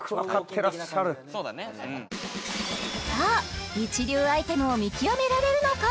てらっしゃるさあ一流アイテムを見極められるのか？